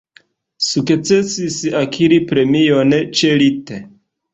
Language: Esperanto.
Sukcesis akiri premion ĉe lit.